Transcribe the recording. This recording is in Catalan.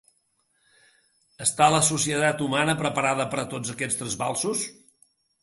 Està la societat humana preparada per a tots aquests trasbalsos?